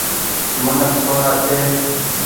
منک ٿوڙآ ڇي۔